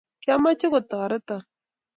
kiameche kotoreton